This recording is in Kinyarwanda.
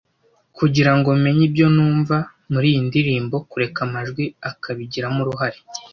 Kugirango menye ibyo numva muriyi ndirimbo, kureka amajwi akabigiramo uruhare.